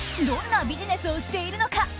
どんなビジネスをしているのか。